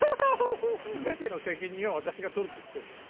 全ての責任は私が取るって言ってんの。